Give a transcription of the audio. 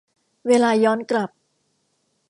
เวลาย้อนกลับ